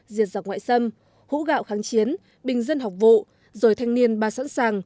diệt giặc ngoại xâm hú gạo kháng chiến bình dân học vụ rồi thanh niên ba sẵn sàng